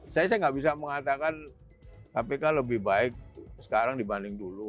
saya nggak bisa mengatakan kpk lebih baik sekarang dibanding dulu